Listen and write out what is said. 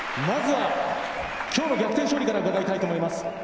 まずは今日の逆転勝利から伺いたいと思います。